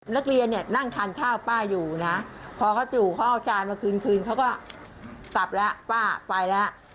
นักเรียนเนี่ยนั่งทานข้าวป้าอยู่นะพอเขาจู่เขาเอาจานมาคืนคืนเขาก็กลับแล้วป้าไปแล้ว